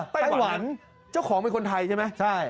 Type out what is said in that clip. ไต้หวันเจ้าของเป็นคนไทยใช่ไหมใช่